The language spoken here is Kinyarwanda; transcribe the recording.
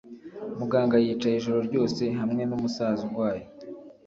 Muganga yicaye ijoro ryose hamwe numusaza urwaye.